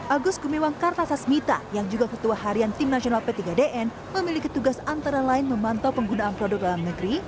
agus gumiwang kartasasmita yang juga ketua harian tim nasional p tiga dn memiliki tugas antara lain memantau penggunaan produk dalam negeri